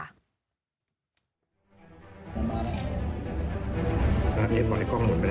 เอาหน้าเย็นไว้กล้องหมดไปได้